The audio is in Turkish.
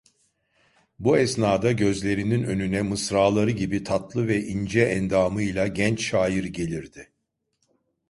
Bu esnada gözlerinin önüne mısraları gibi tatlı ve ince endamıyla genç şair gelirdi.